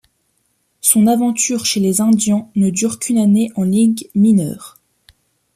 Son aventure chez les Indians ne dure qu'une année en ligues mineures.